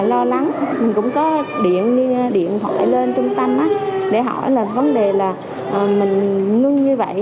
lo lắng mình cũng có điện điện thoại lên trung tâm để hỏi là vấn đề là mình ngưng như vậy